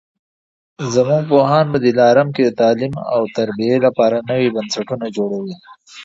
زموږ پوهان په دلارام کي د تعلیم او تربیې لپاره نوي بنسټونه جوړوي